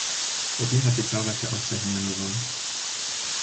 Seitdem hat sie zahlreiche Auszeichnungen gewonnen.